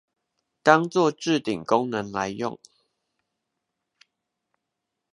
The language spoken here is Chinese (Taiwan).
當作置頂功能來用